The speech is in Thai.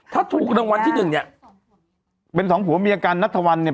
ถ้าถูกกับนักวัลที่หนึ่งเนี้ยเป็นสองหัวเมียกันนัทธวรรณเนี้ย